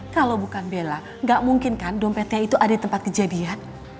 kalau bukan bella gak mungkin kan dompetnya itu ada di tempat kejadian